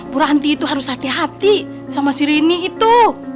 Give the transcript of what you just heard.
bu ranti itu harus hati hati sama si rini itu